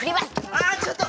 あちょっと！